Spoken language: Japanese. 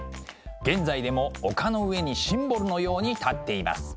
現在でも丘の上にシンボルのように立っています。